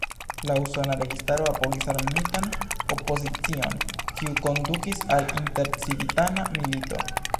La usona registaro apogis armitan opozicion, kiu kondukis al intercivitana milito.